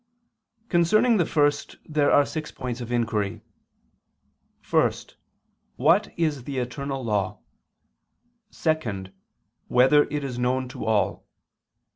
Concerning the first there are six points of inquiry: (1) What is the eternal law? (2) Whether it is known to all?